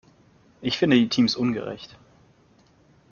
Ich finde die Teams ungerecht.